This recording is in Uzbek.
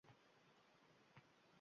Yigit umrim otash chugda yoqaman